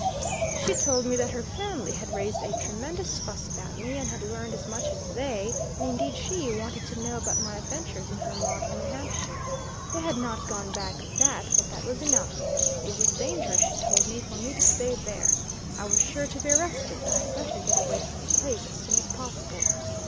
She told me that her family had raised a tremendous fuss about me, and had learned as much as they, and indeed she, wanted to know about my adventures in Vermont and New Hampshire. They had not gone back of that, but that was enough. It was dangerous, she told me, for me to stay there; I was sure to be arrested; I had better get away from the place as soon as possible.